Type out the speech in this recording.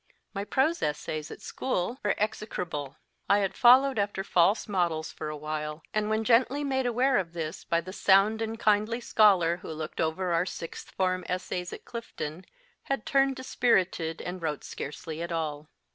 My prose essays at school were execrable. I had followed after false models for a while, and when gently made aware of this by the sound and kindly scholar who looked over our sixth form essays at Clifton, had turned dispirited and wrote scarcely at all.